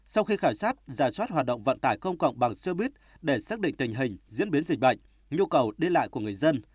sau khi khảo sát giả soát hoạt động vận tải công cộng bằng xe buýt để xác định tình hình diễn biến dịch bệnh nhu cầu đi lại của người dân